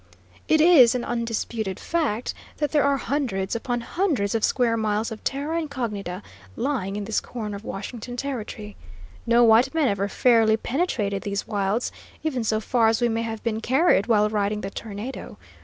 "It is an undisputed fact that there are hundreds upon hundreds of square miles of terra incognita, lying in this corner of Washington Territory. No white man ever fairly penetrated these wilds, even so far as we may have been carried while riding the tornado.